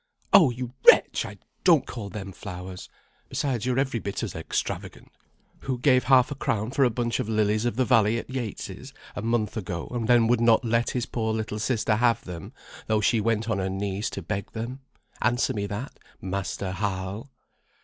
"Oh, you wretch! I don't call them flowers. Besides, you're every bit as extravagant. Who gave half a crown for a bunch of lilies of the valley at Yates', a month ago, and then would not let his poor little sister have them, though she went on her knees to beg them? Answer me that, Master Hal."